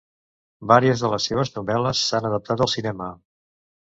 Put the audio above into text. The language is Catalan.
Vàries de les seves novel·les s'han adaptat al cinema.